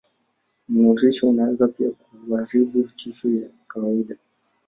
Mnururisho unaweza pia kuharibu tishu ya kawaida.